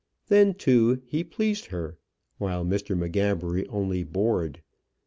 Then, too, he pleased her, while Mr. M'Gabbery only bored.